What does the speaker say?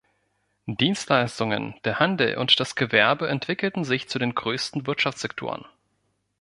Dienstleistungen, der Handel und das Gewerbe entwickelten sich zu den größten Wirtschaftssektoren.